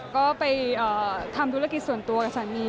ก็ไปทำธุรกิจส่วนตัวกับสามี